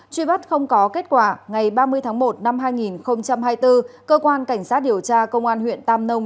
truy bắt không có kết quả ngày ba mươi tháng một năm hai nghìn hai mươi bốn cơ quan cảnh sát điều tra công an huyện tam nông